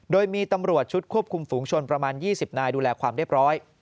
โดยมีตำรวจชุดควบคุมฝูงชนประมาณ๒๐นายดูแลความเรียบร้อย